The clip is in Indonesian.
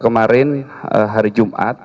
kemarin hari jumat